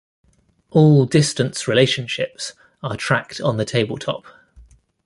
All distance relationships are tracked on the tabletop.